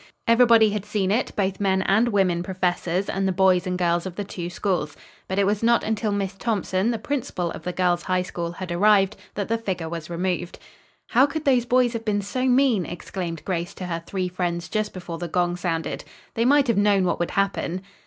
Everybody had seen it, both men and women professors and the boys and girls of the two schools. But it was not until Miss Thompson, the principal of the Girls' High School, had arrived that the figure was removed. "How could those boys have been so mean!" exclaimed Grace to her three friends just before the gong sounded. "They might have known what would happen."